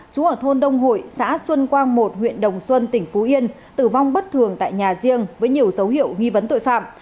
chú ở thôn đông hội xã xuân quang một huyện đồng xuân tỉnh phú yên tử vong bất thường tại nhà riêng với nhiều dấu hiệu nghi vấn tội phạm